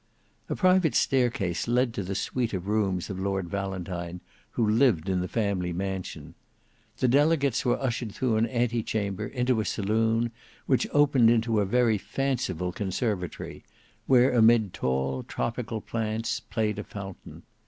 A private staircase led to the suite of rooms of Lord Valentine, who lived in the family mansion. The delegates were ushered through an ante chamber into a saloon which opened into a very fanciful conservatory, where amid tall tropical plants played a fountain.